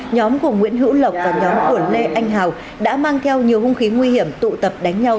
nhóm của nguyễn hữu lộc và nhóm của lê anh hào đã mang theo nhiều hung khí nguy hiểm tụ tập đánh nhau